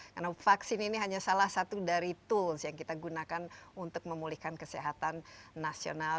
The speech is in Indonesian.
karena vaksin ini hanya salah satu dari tools yang kita gunakan untuk memulihkan kesehatan nasional